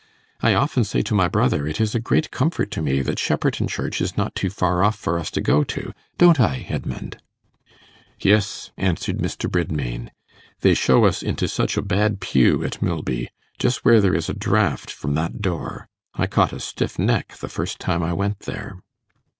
I often say to my brother, it is a great comfort to me that Shepperton Church is not too far off for us to go to; don't I, Edmund?' 'Yes,' answered Mr. Bridmain; 'they show us into such a bad pew at Milby just where there is a draught from that door. I caught a stiff neck the first time I went there.